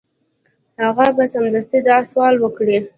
هغه به سمدستي دا سوال وکړي.